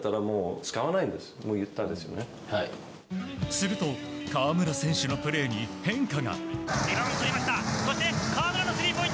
すると、河村選手のプレーに変化が。